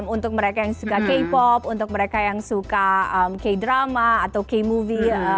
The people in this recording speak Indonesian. untuk mereka yang suka k pop untuk mereka yang suka k drama atau k movie